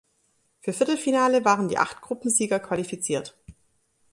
Für Viertelfinale waren die acht Gruppensieger qualifiziert.